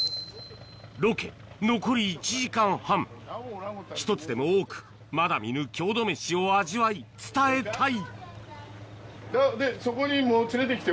ロケ残り１時間半１つでも多くまだ見ぬ郷土メシを味わい伝えたい